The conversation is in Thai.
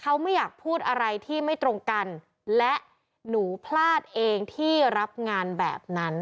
เขาไม่อยากพูดอะไรที่ไม่ตรงกันและหนูพลาดเองที่รับงานแบบนั้น